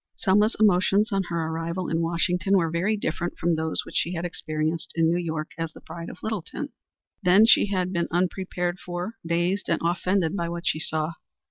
Selma's emotions on her arrival in Washington were very different from those which she had experienced in New York as the bride of Littleton. Then she had been unprepared for, dazed, and offended by what she saw.